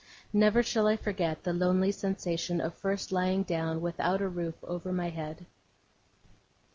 Never shall I forget the lonely sensation of first lying down, without a roof above my head!